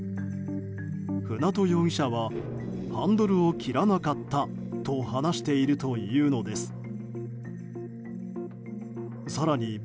舟渡容疑者はハンドルを切らなかったと話しているというのです。